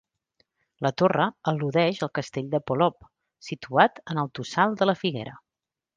La torre al·ludeix al castell de Polop, situat en el Tossal de la Figuera.